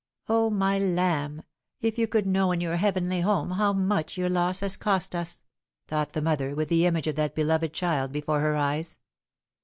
" O, my lamb, if you could know in your heavenly home how much your loss has cost us !" thought the mother, with the image of that beloved child before her eyes.